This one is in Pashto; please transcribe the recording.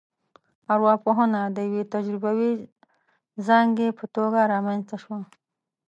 ارواپوهنه د یوې تجربوي ځانګې په توګه رامنځته شوه